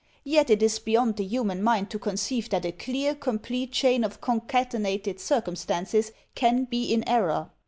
Yet it is beyond the human mind to conceive that a clear, complete chain of concatenated circumstances can be in error.